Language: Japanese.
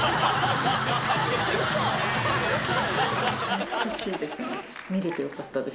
懐かしいですね。